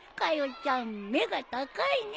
ちゃん目が高いねえ。